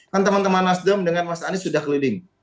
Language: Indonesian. kan teman teman nasdem dengan mas anies sudah keliling